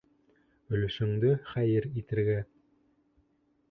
Өлөшөңдө хәйер итергә.